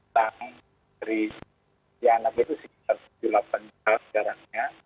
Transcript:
dari ya anaknya itu sekitar delapan belas jam sejarahnya